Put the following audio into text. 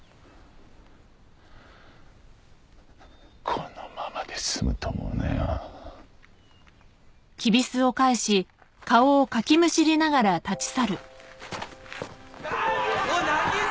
このままで済むと思うなよおう渚！